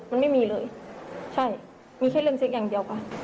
มันไม่มีเลยใช่มีแค่เรื่องเซ็กอย่างเดียวค่ะ